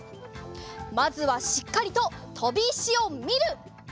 まずはしっかりととび石をみる！